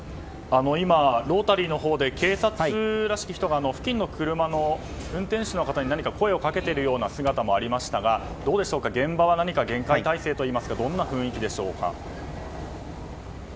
今ロータリーのほうで警察らしき人が、付近の車の運転手の方に何か声をかけているような姿もありましたが現場は厳戒態勢というかどんな雰囲気でしょうか。